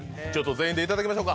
全員でいただきましょうか。